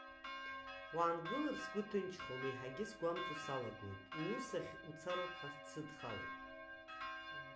Уаангылар сгәы ҭынчхом, еиҳагьы сгәамҵуа салагоит, уус ахь уцароуп ҳәа дсыдхалеит.